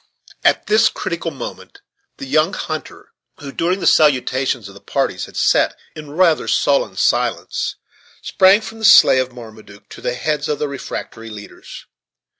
At this critical moment, the young hunter, who during the salutations of the parties had sat in rather sullen silence, sprang from the sleigh of Marmaduke to the heads of the refractory leaders.